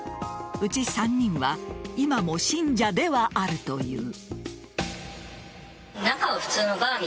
うち３人は今も信者ではあるという。